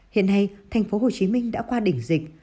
hiện nay thành phố hồ chí minh đã qua đỉnh dịch